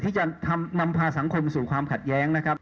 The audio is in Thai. ที่จะนำพาสังคมสู่ความขัดแย้งนะครับ